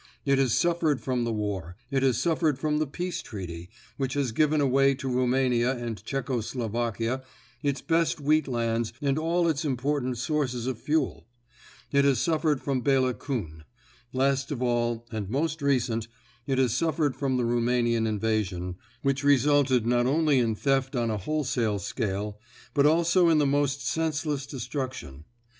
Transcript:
It has suffered from the war. It has suffered from the Peace Treaty, which has given away to Roumania and Czecko Slovakia its best wheat lands and all its important sources of fuel. It has suffered from Bela Kuhn. Last of all and most recent, it has suffered from the Roumanian invasion, which resulted not only in theft on a wholesale scale, but also in the most senseless destruction.